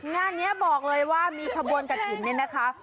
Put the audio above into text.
งานนี้บอกเลยว่ามีขบวนกระถิ่นเนี่ยนะคะ